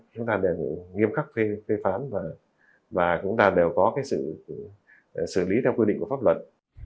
chúng ta đều nghiêm khắc phê phán và chúng ta đều có cái sự xử lý theo quy định của pháp luật